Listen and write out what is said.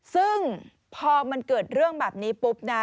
ซึ่งพอมันเกิดเรื่องแบบนี้ปุ๊บนะ